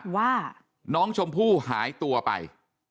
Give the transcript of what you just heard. ว่าน้องชมพู่หายตัวไป